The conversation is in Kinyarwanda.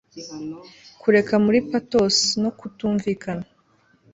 Kureka muri patos no kutumvikana